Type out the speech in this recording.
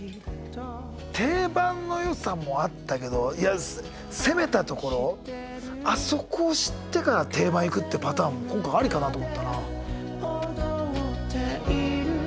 定番のよさもあったけど攻めたところあそこを知ってから定番行くってパターンも今回ありかなと思ったな。